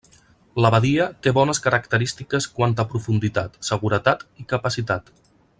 La badia té bones característiques quant a profunditat, seguretat i capacitat.